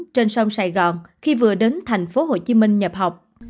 trên sông sài gòn khi vừa đến tp hcm nhập học